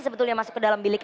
sebetulnya masuk ke dalam bilik